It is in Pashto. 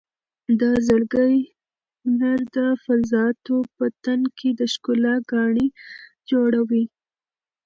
د زرګرۍ هنر د فلزاتو په تن کې د ښکلا ګاڼې جوړوي.